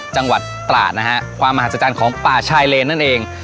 จังหวัดตราดนะฮะความมหัศจรรย์ของป่าชายเลนนั่นเอง